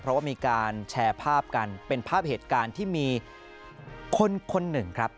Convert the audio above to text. เพราะว่ามีการแชร์ภาพกันเป็นภาพเหตุการณ์ที่มีคนคนหนึ่งครับ